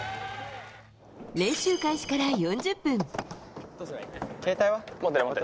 練習開始から４０分。